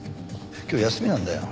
今日休みなんだよ。